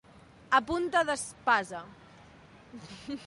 A punta d'espasa.